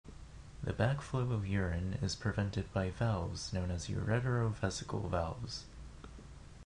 The backflow of urine is prevented by valves known as ureterovesical valves.